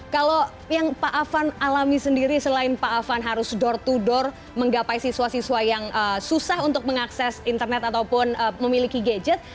kalau yang pak afan alami sendiri selain pak afan harus door to door menggapai siswa siswa yang susah untuk mengakses internet ataupun memiliki gadget